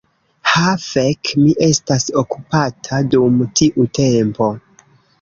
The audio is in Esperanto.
Ha fek' mi estas okupata dum tiu tempo